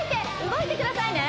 動いてくださいね！